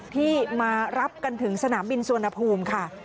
ที่มารับกันถึงสนามบินสุวรรณภูมิค่ะ